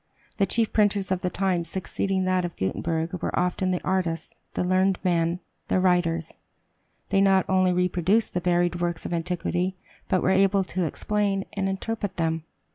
The chief printers of the times succeeding that of Gutenberg were often the artists, the learned men, the writers. They not only reproduced the buried works of antiquity, but were able to explain and interpret them.